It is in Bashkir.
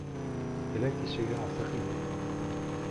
— Келәт ишеге асыҡ ине.